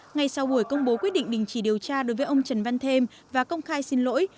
ngay sau buổi công bố quyết định đình chỉ điều tra đối với ông trần văn thêm và công khai xin lỗi